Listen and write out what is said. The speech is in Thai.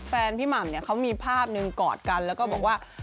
พี่หม่ำเนี่ยเขามีภาพหนึ่งกอดกันแล้วก็บอกว่า